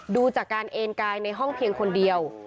ดูจากการเอ็นกายในห้องเพียงคนเดียว